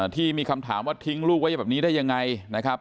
ที่มีคำถามว่าทิ้งลูกไว้แบบนี้ได้ยังไงนะครับ